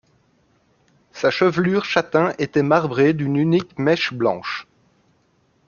Sa chevelure châtain était marbrée d’une unique mèche blanche.